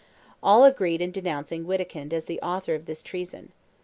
All agreed in denouncing Wittikind as the author of this treason.